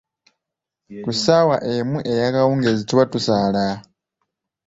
Ku ssaawa emu ey’akawungeezi tuba tusaala.